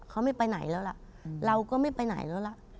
เขาไม่ไปไหนแล้วล่ะเราก็ไม่ไปไหนแล้วล่ะ